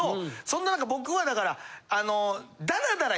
そんな中僕はだから。